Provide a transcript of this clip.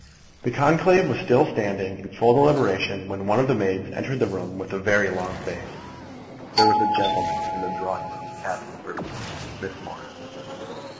The conclave was still sitting in full deliberation, when one of the maids entered the room with a very long face. There was a gentleman in the drawing room asking for Miss Morris!